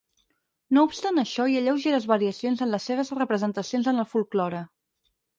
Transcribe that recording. No obstant això, hi ha lleugeres variacions en les seves representacions en el folklore.